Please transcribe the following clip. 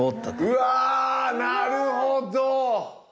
うわなるほど！